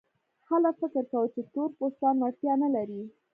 خلک فکر کاوه چې تور پوستان وړتیا نه لري.